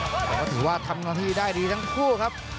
แต่ก็ถือว่าทำหน้าที่ได้ดีทั้งคู่ครับ